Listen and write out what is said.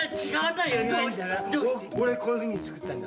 俺こういうふうに造ったんだ。